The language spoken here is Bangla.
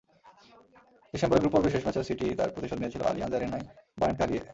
ডিসেম্বরে গ্রুপপর্বের শেষ ম্যাচে সিটি তার প্রতিশোধ নিয়েছিল আলিয়াঞ্জ অ্যারেনায় বায়ার্নকে হারিয়ে।